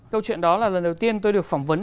câu chuyện đó là lần đầu tiên tôi được phỏng vấn